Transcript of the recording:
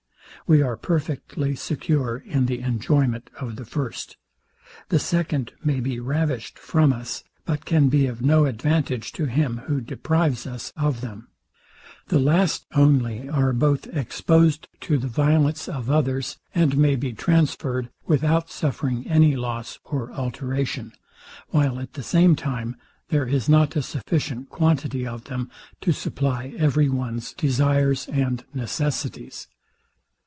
We are perfectly secure in the enjoyment of the first. The second may be ravished from us, but can be of no advantage to him who deprives us of them. The last only are both exposed to the violence of others, and may be transferred without suffering any loss or alteration; while at the same time, there is not a sufficient quantity of them to supply every one's desires and necessities.